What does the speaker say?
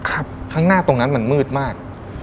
ข้างหน้าตรงนั้นมันมืดมาก